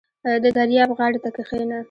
• د دریاب غاړې ته کښېنه.